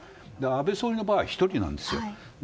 安倍総理の場合は１人です。